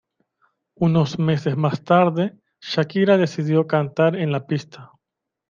Unos meses más tarde, Shakira decidió cantar en la pista.